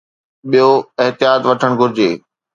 ٻيو احتياط وٺڻ گهرجي.